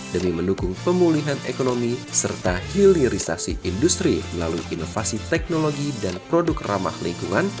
demi mendukung pemulihan ekonomi serta hilirisasi industri melalui inovasi teknologi dan produk ramah lingkungan